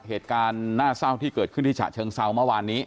เหตุการณ์น่าเศร้าที่เกิดขึ้นที่ฉะเชิงเซาเมื่อวานนี้